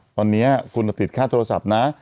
ตอนนี้คุณติดค่าโทรศัพท์นะ